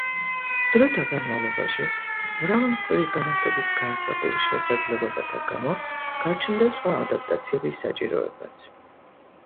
დროთა განმავლობაში, მრავალმხრივი განათლების გაზრდილ შესაძლებლობათა გამო გაჩნდა სხვა ადაპტაციების საჭიროებაც.